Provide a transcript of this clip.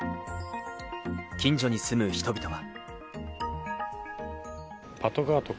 近所に住む人々は。